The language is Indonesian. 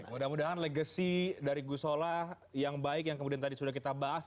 mudah mudahan legacy dari gusola yang baik yang kemudian tadi sudah kita bahas